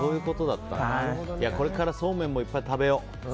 これからそうめんもいっぱい食べよう。